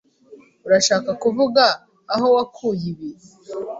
Urashaka kuvuga aho wakuye ibi?